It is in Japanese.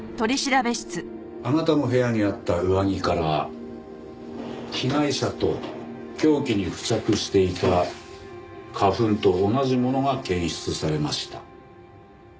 あなたの部屋にあった上着から被害者と凶器に付着していた花粉と同じものが検出されました。